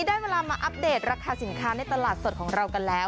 ได้เวลามาอัปเดตราคาสินค้าในตลาดสดของเรากันแล้ว